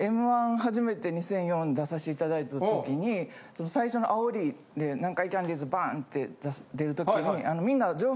初めて２００４出さしていただいた時に最初のあおりで南海キャンディーズバン！って出る時に。